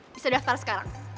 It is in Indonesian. bisa daftar sekarang